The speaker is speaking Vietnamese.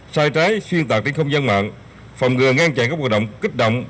sai trái xuyên tạc trên không gian mạng phòng ngừa ngăn chặn các hoạt động kích động